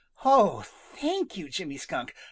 "Oh, thank you, Jimmy Skunk.